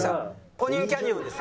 ポニンキャニオンです。